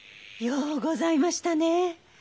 ようございましたねえ